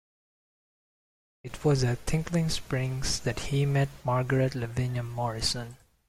It was at Tinkling Springs that he met Margaret Lavinia Morrison.